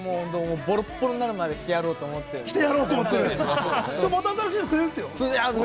ボロッボロになるまで着てやろうと思っていて。